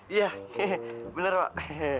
iya bener pak